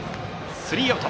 スリーアウト。